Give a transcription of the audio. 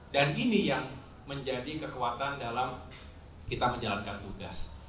dan ini yang menjadi kekuatan dalam kita menjalankan tugas